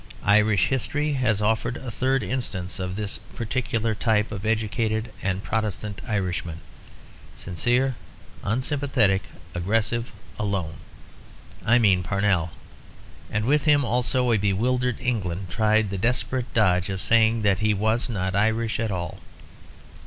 Irish history has offered a third instance of this particular type of educated and Protestant Irishman, sincere, unsympathetic, aggressive, alone. I mean Parnell; and with him also a bewildered England tried the desperate dodge of saying that he was not Irish at all.